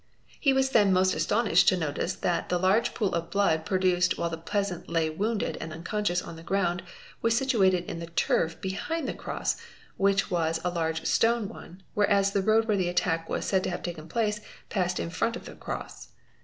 | He was then most astonished to notice that the large pool of blood _ produced while the peasant lay wounded and unconscious on the ground was situated in the turf behind the cross, which was a large stone one, whereas the road where the attack was said to have taken place passed in front of the cross.